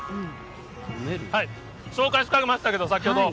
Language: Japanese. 紹介しかねましたけれども、先ほど。